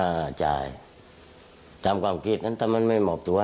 อ่าจ่ายตามความคิดนั้นถ้ามันไม่หมอบตัว